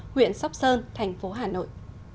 huyện sóc sơn thành phố hà nội